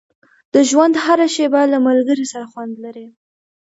• د ژوند هره شېبه له ملګري سره خوند لري.